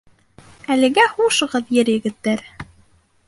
Әлегә хушығыҙ, Ер егеттәре!